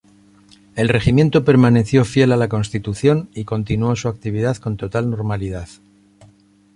El regimiento permaneció fiel a la Constitución y continuó su actividad con total normalidad.